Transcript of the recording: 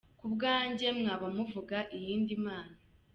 Ku bwanjye, mwaba muvuga iyindi Mana”